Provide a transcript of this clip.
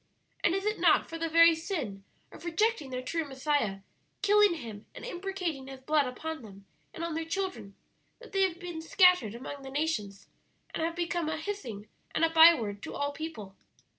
"And is it not for the very sin of rejecting their true Messiah, killing Him and imprecating His blood upon them and on their children, that they have been scattered among the nations and have become a hissing and a byword to all people?"